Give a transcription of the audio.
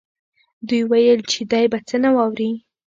دوی ویل چې دی به څه نه واوري